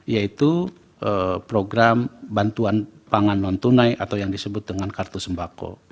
yaitu program bantuan pangan non tunai atau yang disebut dengan kartu sembako